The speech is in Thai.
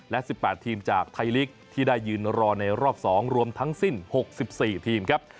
และ๑๘ทีมจากไทยลีกที่ได้ยืนรอในรอบ๒รวมทั้งสิ้น๖๔ทีมครับ